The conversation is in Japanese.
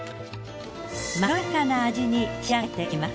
まろやかな味に仕上げていきます。